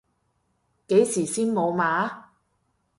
幾時先無碼？